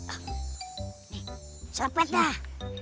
nih sopet dah